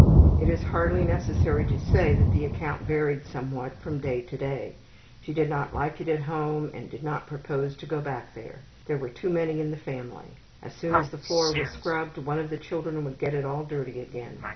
It is hardly necessary to say that the account varied somewhat from day to day. She did not like it at home and did not propose to go back there. There were too many in the family. As soon as the floor was scrubbed one of the children would get it all dirty again.